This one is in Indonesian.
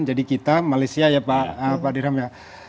jadi kita malaysia ya pak dirham ya